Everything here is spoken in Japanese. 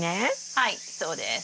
はいそうです。